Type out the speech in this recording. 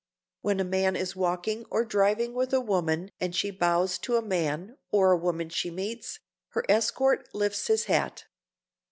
When a man is walking or driving with a woman and she bows to a man or woman she meets, her escort lifts his hat.